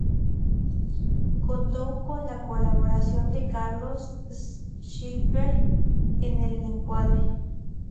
Contó con la colaboración de Carlos Schlieper en el encuadre.